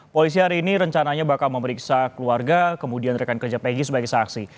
polisi hari ini rencananya bakal memeriksa keluarga kemudian rekan kerja pg sebagai saksi